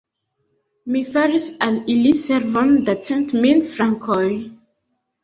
Mi faris al ili servon da cent mil frankoj!